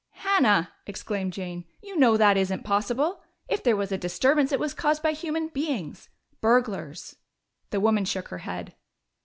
"Hannah!" exclaimed Jane. "You know that isn't possible. If there was a disturbance, it was caused by human beings. Burglars." The woman shook her head.